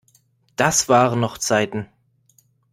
Das waren noch Zeiten!